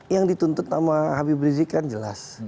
yang dituntut sama habib rizik kan jelas